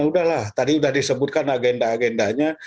udahlah tadi sudah disebutkan agenda agendanya